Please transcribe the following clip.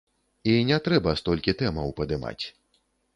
І не трэба столькі тэмаў падымаць.